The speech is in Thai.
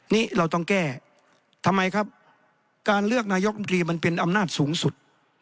นี่เราต้องแก้ทำไมครับการเลือกนายกรรมตรีมันเป็นอำนาจสูงสุด